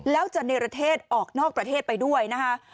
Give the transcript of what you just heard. แล้วจะเนรเทศออกนอกประเทศไปด้วยนะคะ